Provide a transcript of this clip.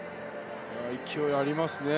勢いありますね。